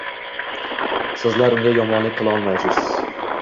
Sizlar unga yomonlik qila olmaysiz.